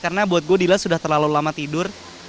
karena buat gue dilan sudah terlalu lama tidur